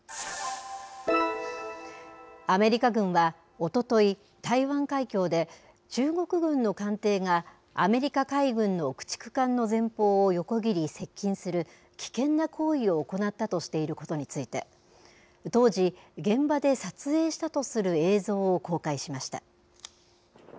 アメリカ軍は、おととい、台湾海峡で中国軍の艦艇がアメリカ海軍の駆逐艦の前方を横切り接近する危険な行為を行ったとしていることについて、当時、現場で撮影したとする映像を公開しました。